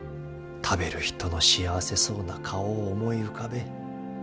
食べる人の幸せそうな顔を思い浮かべえ。